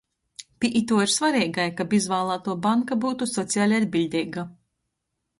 Pi ituo ir svareigi, kab izvālātuo banka byutu sociali atbiļdeiga.